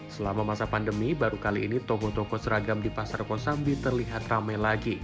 selama masa pandemi baru kali ini toko toko seragam di pasar kosambi terlihat ramai lagi